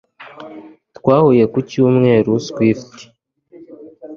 Twahuye ku cyumweru Swift